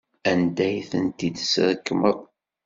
Anda ay tent-id-tesrekmeḍ?